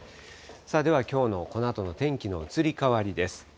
さあではきょうのこのあとの天気の移り変わりです。